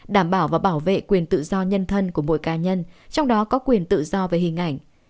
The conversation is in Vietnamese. đảm bảo và bảo vệ quyền tự do nhân thân của mỗi cá nhân trong đó có quyền tự do về hình ảnh